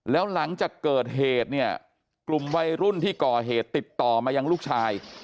แล้วหลังจากเกิดเหตุเนี่ยกลุ่มวัยรุ่นที่ก่อเหตุติดต่อมายังลูกชาย